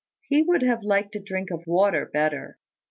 He would have liked a drink of water better.